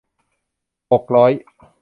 หกร้อย